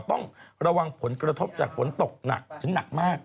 ต้องระวังผลกระทบจากฝนตกหนักถึงหนักมาก